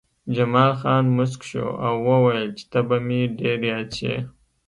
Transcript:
جمال خان موسک شو او وویل چې ته به مې ډېر یاد شې